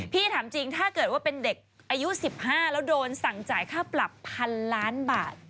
ถามจริงถ้าเกิดว่าเป็นเด็กอายุ๑๕แล้วโดนสั่งจ่ายค่าปรับ๑๐๐ล้านบาท